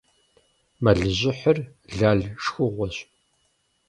Мэлыжьыхьыр лал шхыгъуэщ.